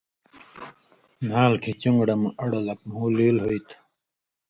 نھال کِھیں چُن٘گڑہ مہ اڑوۡ لک مُھو لیل ہُوئ تُھو۔